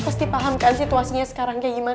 pasti paham kan situasinya sekarang kayak gimana